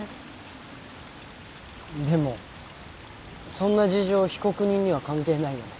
でもそんな事情被告人には関係ないよね。